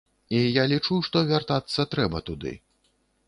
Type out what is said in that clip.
І я лічу, што вяртацца трэба туды.